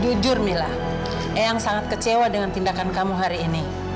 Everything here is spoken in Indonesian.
jujur mila eyang sangat kecewa dengan tindakan kamu hari ini